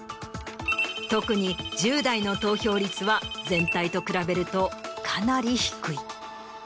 特に１０代の投票率は全体と比べるとかなり低い。